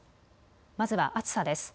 まずは暑さです。